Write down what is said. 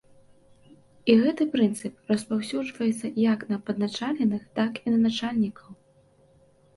І гэты прынцып распаўсюджваецца як на падначаленых, так і на начальнікаў.